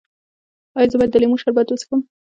ایا زه باید د لیمو شربت وڅښم؟